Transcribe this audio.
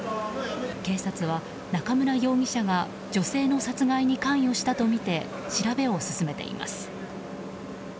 警察は中村容疑者が女性の殺害に関与したとみて調べを進めています。